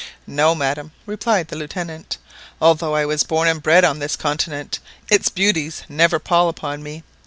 "No, madam," replied the Lieutenant; "although I was born and bred on this continent, its beauties never pall upon me.